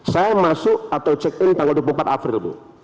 saya masuk atau check in tanggal dua puluh empat april bu